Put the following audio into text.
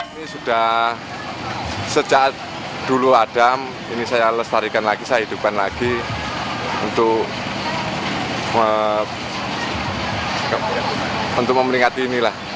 ini sudah sejak dulu adam ini saya lestarikan lagi saya hidupkan lagi untuk memperingati inilah